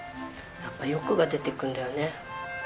やっぱ欲が出てくるんだよね。